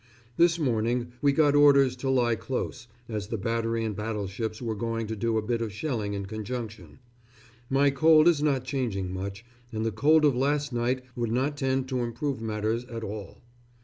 This morning we got orders to lie close, as the battery and battleships were going to do a bit of shelling in conjunction. My cold is not changing much, and the cold of last night would not tend to improve matters at all....